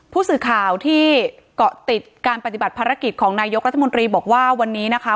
ผู้สื่อข่าวที่เกาะติดการปฏิบัติภารกิจของนายกรัฐมนตรีบอกว่าวันนี้นะคะ